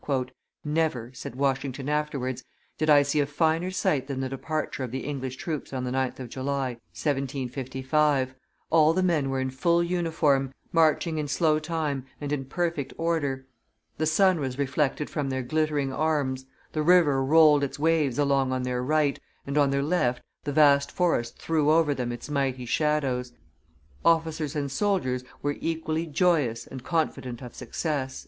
"Never," said Washington afterwards, "did I see a finer sight than the departure of the English troops on the 9th of July, 1755; all the men were in full uniform, marching in slow time and in perfect order; the sun was reflected from their glittering arms; the river rolled its waves along on their right, and on their left the vast forest threw over them its mighty shadows. Officers and soldiers were equally joyous and confident of success."